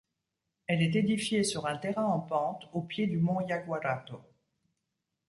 Elle est édifiée sur un terrain en pente au pied du mont Yaguarato.